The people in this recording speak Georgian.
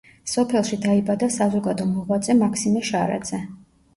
სოფელში დაიბადა საზოგადო მოღვაწე მაქსიმე შარაძე.